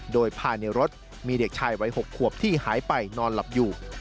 โดยภายในรถมีเด็กชายวัย๖ขวบที่หายไปนอนหลับอยู่